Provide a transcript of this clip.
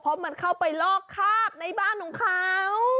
เพราะมันเข้าไปลอกคาบในบ้านของเขา